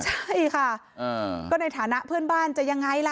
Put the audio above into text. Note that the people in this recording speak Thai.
ใช่ค่ะก็ในฐานะเพื่อนบ้านจะยังไงล่ะ